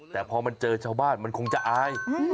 แต่พอมันเจอชาวบ้านมันคงจะอาย